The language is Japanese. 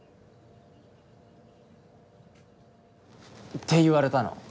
って言われたの。